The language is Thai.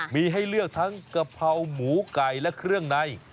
มีให้เลือกทั้งกะเพราหมูไก่และเครื่องใน